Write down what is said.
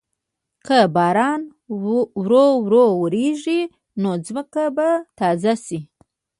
که باران ورو ورو وریږي، نو ځمکه به تازه شي.